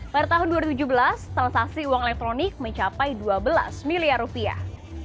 pada tahun dua ribu tujuh belas transaksi uang elektronik mencapai dua belas miliar rupiah